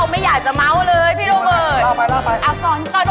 เมียหนูจะเล่าไม่อยากจะเม้าเลยพี่ลูกเบิร์ด